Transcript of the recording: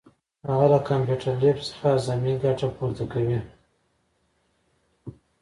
هغه له کمپیوټر لیب څخه اعظمي ګټه پورته کوي.